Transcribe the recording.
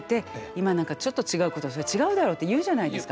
今なんかちょっと違うことすると「違うだろ」って言うじゃないですか。